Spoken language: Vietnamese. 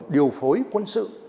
điều phối quân sự